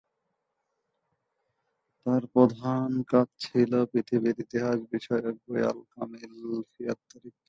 তার প্রধান কাজ ছিল পৃথিবীর ইতিহাস বিষয়ক বই "আল কামিল ফি আত তারিখ"।